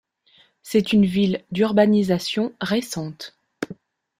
C'est une ville d'urbanisation récente.